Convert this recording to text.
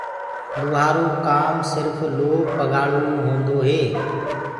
لوهآرو ڪآم سرڦ لوه پگآݪوو هوندوئي